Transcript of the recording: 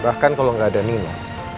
bahkan kalau ga ada nino